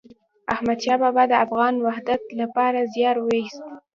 احمد شاه بابا د افغان وحدت لپاره زیار وایست.